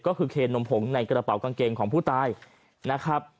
ก็คือเคนนมผงในกระเป๋ากางเกงของผู้ตายนะครับ